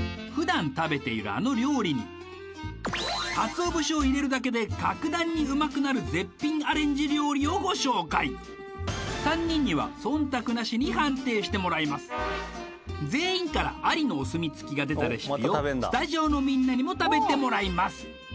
イエーイかつお節を入れるだけで格段にうまくなる絶品アレンジ料理をご紹介３人には忖度なしに判定してもらいます全員からありのお墨付きが出たレシピをスタジオのみんなにも食べてもらいます